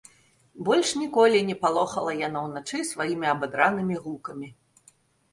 Больш ніколі не палохала яна ўначы сваімі абадранымі гукамі.